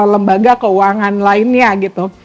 lembaga keuangan lainnya gitu